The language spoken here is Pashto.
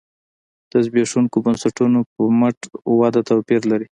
د زبېښونکو بنسټونو پر مټ وده توپیر لري.